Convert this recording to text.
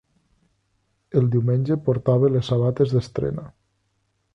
El diumenge portava les sabates d'estrena.